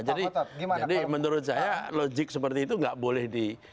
jadi menurut saya logik seperti itu tidak boleh di